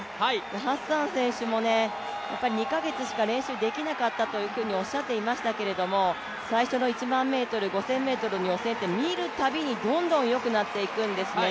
ハッサン選手も、２カ月しか練習できなかったというふうにおっしゃっていましたけども最初の１００００ｍ、５０００ｍの予選を見るたびにどんどんよくなっていくんですね。